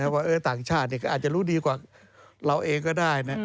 ว่าต่างชาติก็อาจจะรู้ดีกว่าเราเองก็ได้นะ